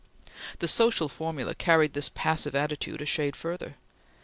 The social formula carried this passive attitude a shade further.